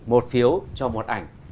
thì được bỏ một phiếu cho một ảnh